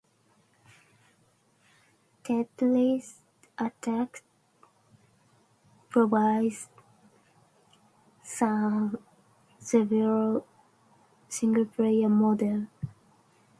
"Tetris Attack" provides several single-player modes.